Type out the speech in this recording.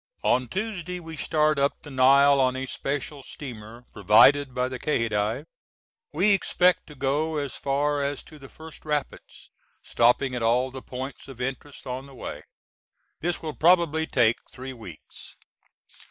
On Tuesday we start up the Nile on a special steamer provided by the Khedive. We expect to go as far as to the first rapids stopping at all the points of interest on the way. This will probably take three weeks.